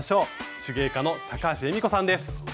手芸家の高橋恵美子さんです。